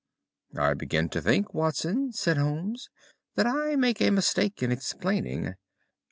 "I begin to think, Watson," said Holmes, "that I make a mistake in explaining.